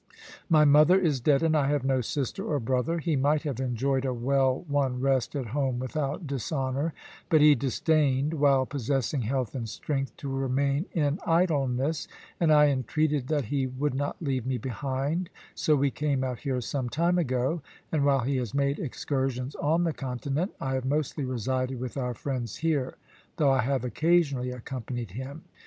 My mother is dead, and I have no sister or brother. He might have enjoyed a well won rest at home without dishonour; but he disdained, while possessing health and strength, to remain in idleness, and I entreated that he would not leave me behind, so we came out here some time ago; and while he has made excursions on the continent, I have mostly resided with our friends here, though I have occasionally accompanied him.